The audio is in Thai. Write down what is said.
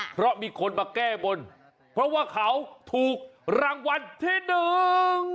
เพราะมีคนมาแก้บนเพราะว่าเขาถูกรางวัลที่หนึ่ง